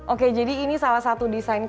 oke jadi ini salah satu desain